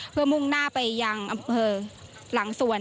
เพื่อมุ่งหน้าไปยังอำเภอหลังสวน